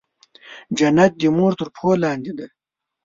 جنت د مور تر پښو لاندې دی.